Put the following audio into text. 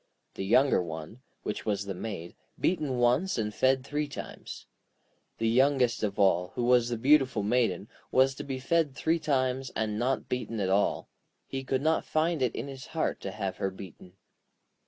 The younger one, which was the Maid, beaten once and fed three times. The youngest of all, who was the beautiful Maiden, was to be fed three times, and not beaten at all; he could not find it in his heart to have her beaten.